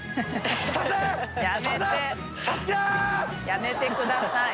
やめてください。